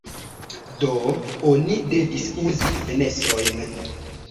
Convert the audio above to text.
Do oni devis uzi fenestrojn.